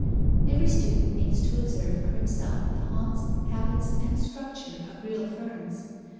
Every student needs to observe for himself the haunts, habits, and structure of real ferns.